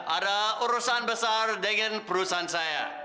ada urusan besar dengan perusahaan saya